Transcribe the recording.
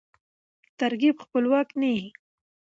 ترکیب خپلواک نه يي.